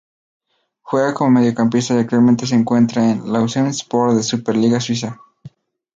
Juega como Mediocampista y actualmente se encuentra en Lausanne-Sport de la Super Liga Suiza.